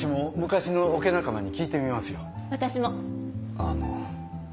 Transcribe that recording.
あの。